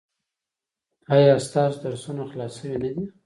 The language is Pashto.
ایا ستاسو درسونه خلاص شوي نه دي؟